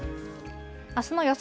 あすの予想